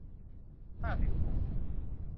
ห้าสิบถุง